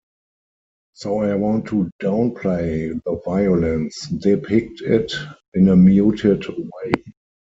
So I want to downplay the violence, depict it in a muted way.